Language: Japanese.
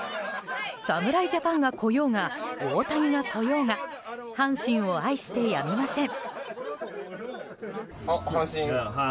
侍ジャパンが来ようが大谷が来ようが阪神を愛してやみません。